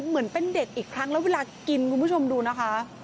เหมือนเป็นเด็กอีกครั้งแล้วเวลากินคุณผู้ชมดูนะคะ